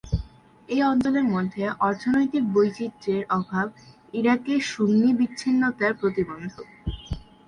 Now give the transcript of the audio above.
এই অঞ্চলের মধ্যে অর্থনৈতিক বৈচিত্র্যের অভাব ইরাকের সুন্নি বিচ্ছিন্নতার প্রতিবন্ধক।